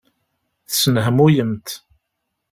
Tesnehmuyemt.